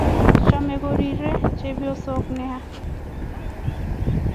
Cham korire chebyosok neya.